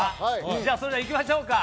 じゃあそれではいきましょうか。